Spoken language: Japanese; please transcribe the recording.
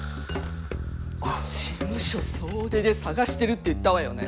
事務所総出で探してるって言ったわよね？